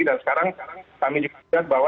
dan sekarang kami juga lihat bahwa